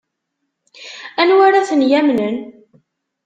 Anwa ara ten-yamnen?